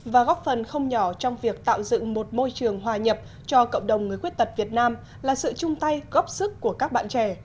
và góp phần không nhỏ trong việc tạo dựng một môi trường hòa nhập cho cộng đồng người khuyết tật việt nam là sự chung tay góp sức của các bạn trẻ